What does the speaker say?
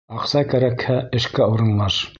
Аҡса кәрәкһә, эшкә урынлаш!